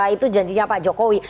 itu janjinya pak jokowi